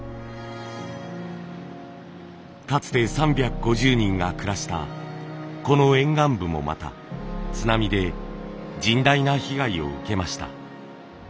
かつて３５０人が暮らしたこの沿岸部もまた津波で甚大な被害を受けました。